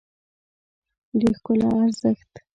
د ښکلا ارزښت